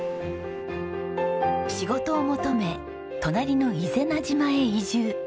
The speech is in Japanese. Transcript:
仕事を求め隣の伊是名島へ移住。